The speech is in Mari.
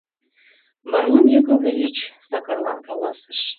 Варлам Яковлевич Сакарлан каласыш: